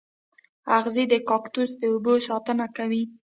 اغزي د کاکتوس د اوبو ساتنه کوي